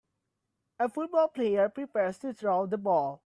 A football player prepares to throw the ball.